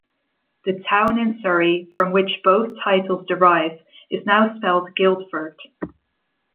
The town in Surrey from which both titles derive is now spelt "Guildford".